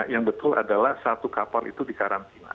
yang betul adalah satu kapal itu di karantina